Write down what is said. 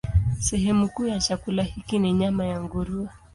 Sehemu kuu ya chakula hiki ni nyama ya nguruwe.